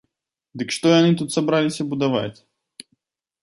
Дык што яны тут сабраліся будаваць?